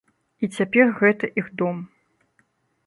І цяпер гэта іх дом.